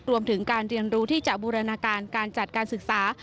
รวมถึงการเรียนรู้ที่จะบูรณาการการจัดการศึกษา